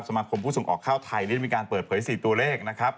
สมาคมผู้ส่งออกข้าวไทยได้มีการเปิดเผย๔ตัวเลขนะครับ